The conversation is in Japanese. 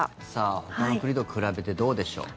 ほかの国と比べてどうでしょう。